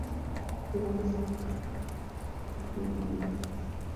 Хөлөг онгоц дэлбэрэхэд тор задарч харин би гэмтэлгүй ниссэн.